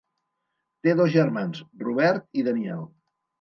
Té dos germans, Robert i Daniel.